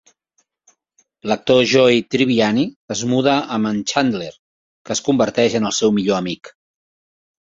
L'actor Joey Tribbiani es muda amb en Chandler, que es converteix en el seu millor amic.